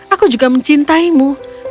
aku juga mencintaimu